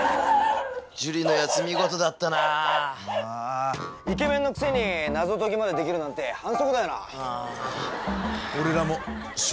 ジュリのやつ見事だったなイケメンのくせに謎ときまでできるなんて反則だよな